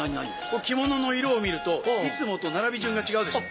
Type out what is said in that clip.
これ着物の色を見るといつもと並び順が違うでしょう。